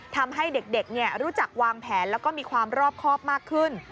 ทำให้เด็กรู้จักวางแผนแล้วก็มีความรอบครอบมากขึ้น